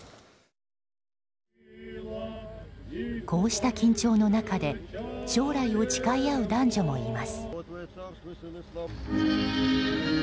こうした緊張の中で将来を誓い合う男女もいます。